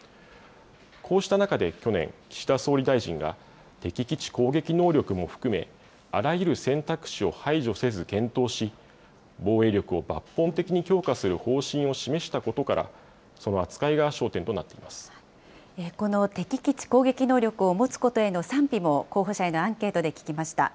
こうした中で去年、岸田総理大臣が、敵基地攻撃能力も含め、あらゆる選択肢を排除せず検討し、防衛力を抜本的に強化する方針を示したことから、その扱いが焦点この敵基地攻撃能力を持つことへの賛否も候補者へのアンケートで聞きました。